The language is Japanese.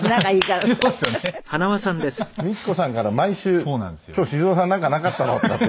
ミチコさんから毎週「今日静夫さんなんかなかったの？」とかって。